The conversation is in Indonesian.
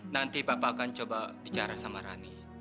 nanti bapak akan coba bicara sama rani